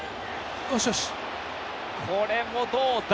これもどうだ？